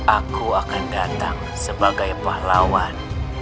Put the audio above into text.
aku akan datang sebagai pahlawan